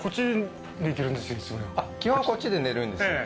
基本はこっちで寝るんですね